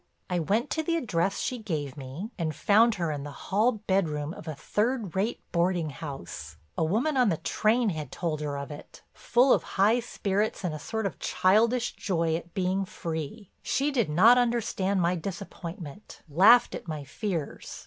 I went to the address she gave me and found her in the hall bedroom of a third rate boarding house—a woman on the train had told her of it—full of high spirits and a sort of childish joy at being free. She did not understand my disappointment, laughed at my fears.